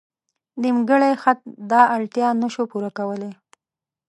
نیمګړی خط دا اړتیا نه شو پوره کولی.